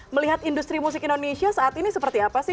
melihat industri musik indonesia saat ini seperti apa sih